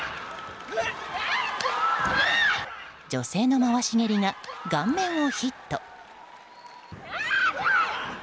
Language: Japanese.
女性の回し蹴りが顔面をヒット。